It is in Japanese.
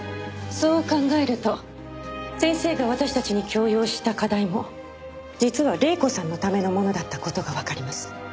そう考えると先生が私たちに強要した課題も実は黎子さんのためのものだった事がわかります。